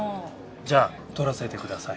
じゃあ撮らせてください。